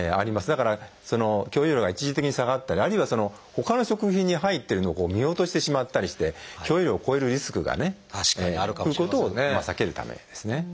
だから許容量が一時的に下がったりあるいはほかの食品に入ってるのを見落としてしまったりして許容量を超えるリスクがねということを避けるためですね。